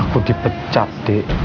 aku dipecat dek